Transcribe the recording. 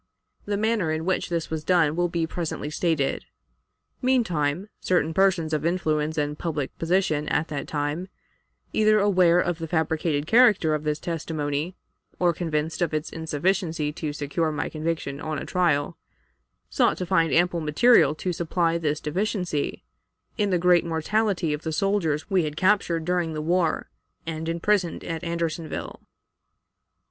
The manner in which this was done will be presently stated. Meantime, certain persons of influence and public position at that time, either aware of the fabricated character of this testimony or convinced of its insufficiency to secure my conviction on a trial, sought to find ample material to supply this deficiency, in the great mortality of the soldiers we had captured during the war and imprisoned at Andersonville.